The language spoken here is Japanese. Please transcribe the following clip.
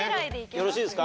よろしいですか？